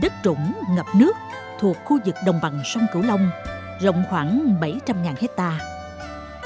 đất trũng ngập nước thuộc khu vực đồng bằng sông cửu long rộng khoảng bảy trăm linh hectare